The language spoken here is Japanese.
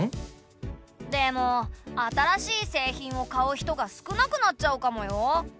でも新しい製品を買う人が少なくなっちゃうかもよ。